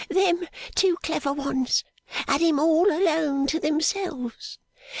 'Them two clever ones had him all alone to themselves.